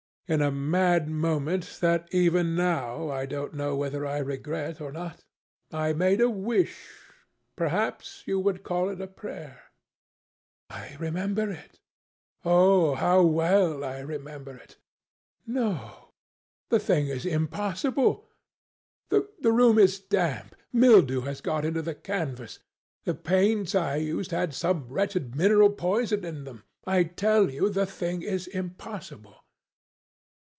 In a mad moment that, even now, I don't know whether I regret or not, I made a wish, perhaps you would call it a prayer...." "I remember it! Oh, how well I remember it! No! the thing is impossible. The room is damp. Mildew has got into the canvas. The paints I used had some wretched mineral poison in them. I tell you the thing is impossible."